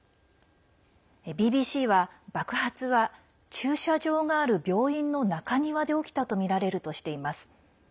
ＢＢＣは爆発は駐車場がある病院の中庭で起きたとみられるとしています。